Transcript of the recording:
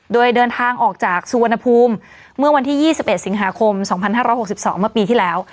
โดยเดินทางออกจากสุวรรณภูมิเมื่อวันที่๒๑สิงหาคม๒๕๖๒เมื่อปีที่แล้ว